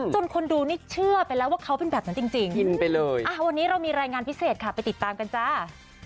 คนดูนี่เชื่อไปแล้วว่าเขาเป็นแบบนั้นจริงไปเลยวันนี้เรามีรายงานพิเศษค่ะไปติดตามกันจ้า